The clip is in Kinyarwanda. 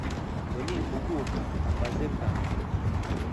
ngo nimpinguka ambaze bwangu,